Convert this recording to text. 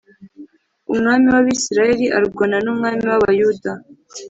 Umwami w Abisirayeli arwana n’umwami w Abayuda